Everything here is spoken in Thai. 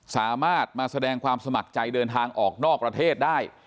สามารถมาแสดงความสมัครใจเดินทางออกนอกประเทศได้